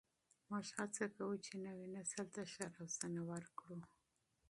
موږ هڅه کوو چې نوي نسل ته ښه روزنه ورکړو.